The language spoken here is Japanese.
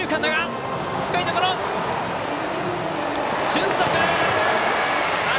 俊足！